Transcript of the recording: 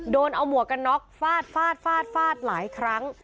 โดนเอาหมวกก่อนน็อกฟาดหลายครั้ง